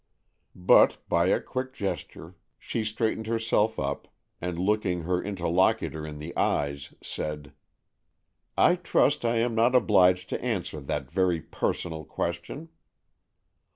But, by a quick gesture, she straightened herself up, and, looking her interlocutor in the eyes said: "I trust I am not obliged to answer that very personal question."